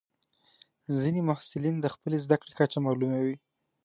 ځینې محصلین د خپلې زده کړې کچه معلوموي.